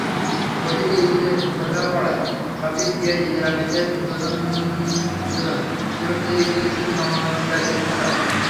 গতিতে, স্কিলে, বোঝাপড়ায়—সবদিক দিয়েই ইরানের চেয়ে যোজন যোজন দূরত্বে এগিয়ে ছিল সানজিদা-কৃষ্ণারা।